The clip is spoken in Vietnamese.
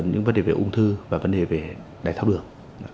những vấn đề về ung thư và vấn đề về đài thao đường